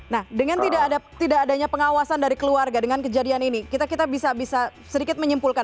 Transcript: nah dengan tidak adanya pengawasan dari keluarga dengan kejadian ini kita bisa sedikit menyimpulkan